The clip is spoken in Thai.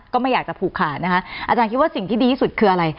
ก็ไม่อยากจะผูกขาดนะคะอาจารย์คิดว่าสิ่งที่ดีที่สุดคืออะไร